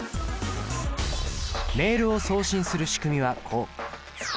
メールを送信する仕組みはこう。